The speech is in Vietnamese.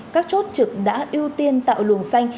các chốt trực đã ưu tiên tạo luồng xanh